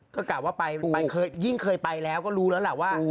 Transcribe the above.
ก็กล่าวว่ายิ่งเคยไปแล้วก็รู้แล้วล่ะว่า